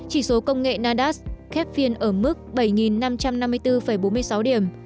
chỉ số công nghệ nadas khép phiên ở mức bảy năm trăm năm mươi bốn bốn mươi sáu điểm